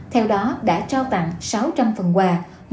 theo đó đã trao tặng sáu trăm linh phần quà